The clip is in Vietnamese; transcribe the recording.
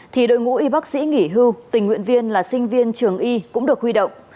thì đội ngũ y bác sĩ nghỉ hưu tình nguyện viên là sinh viên trường y cũng được huy động